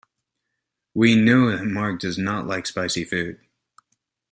We know that Mark does not like spicy food.